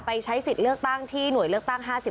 ใช้สิทธิ์เลือกตั้งที่หน่วยเลือกตั้ง๕๔